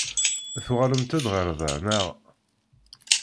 Tuɣalemt-d ɣer da, naɣ?